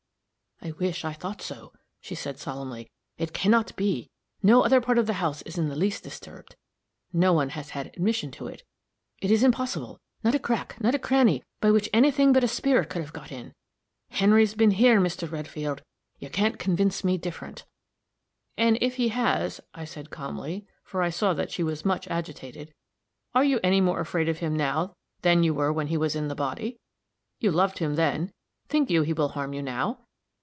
"I wish I thought so," she said, solemnly. "It can not be. No other part of the house is in the least disturbed. No one has had admission to it it is impossible; not a crack, not a cranny, by which any thing but a spirit could have got in. Harry's been here, Mr. Redfield; you can't convince me different." "And if he has," I said, calmly, for I saw that she was much agitated, "are you any more afraid of him now than you were when he was in the body? You loved him then; think you he will harm you now?